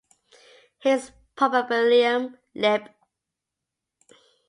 His "Probabilium" lib.